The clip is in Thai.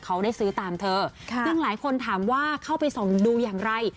เขาได้ซื้อตามเธอซึ่งหลายคนถามว่าเข้าไปส่องดูอย่างไร